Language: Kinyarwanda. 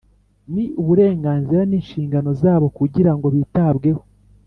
Ni uburenganzira n’inshingano zabo kugira ngo bitabweho